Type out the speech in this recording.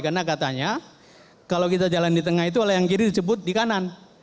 karena katanya kalau kita jalan di tengah itu oleh yang kiri disebut di kanan